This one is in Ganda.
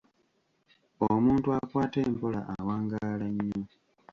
Omuntu akwata empola awangaala nnyo.